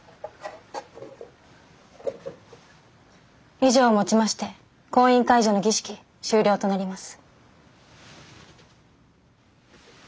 以上をもちまして婚姻解除の儀式終了となります。